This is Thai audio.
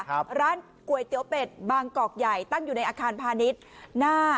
ร้านก๋วยเตี๋ยวเป็ดบางกอกใหญ่ตั้งอยู่ในอาคารพาณิชย์หน้า